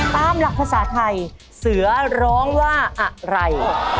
ตามหลักภาษาไทยเสือร้องว่าอะไร